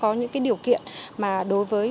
có những điều kiện mà đối với